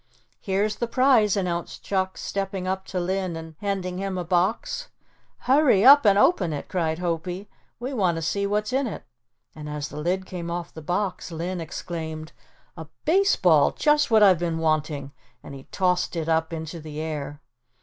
"Here's the prize," announced Chuck, stepping up to Linn and handing him a box. "Hurry up and open it," cried Hopie, "we want to see what's in it." And as the lid came off the box, Linn exclaimed: "A baseball, just what I've been wanting," and he tossed it up into the air.